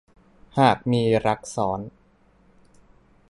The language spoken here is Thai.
หากมีรักซ้อน